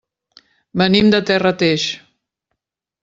Venim de Terrateig.